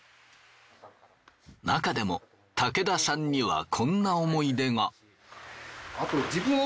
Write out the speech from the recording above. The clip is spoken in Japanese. なかでも武田さんにはこんな思い出が。